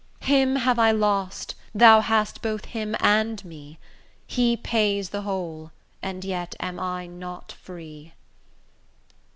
Him have I lost; thou hast both him and me: He pays the whole, and yet am I not free.